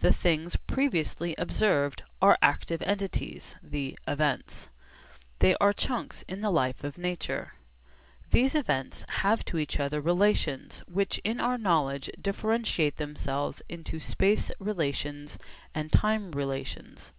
The things previously observed are active entities, the 'events.' They are chunks in the life of nature. These events have to each other relations which in our knowledge differentiate themselves into space relations and time relations.